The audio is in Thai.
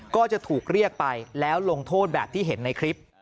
ก็จะถูกเรียกไปแล้วลงโทษแบบที่เห็นในคลิป